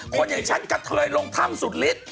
คนอย่างฉันกระเทยลงถ้ำสุดฤทธิ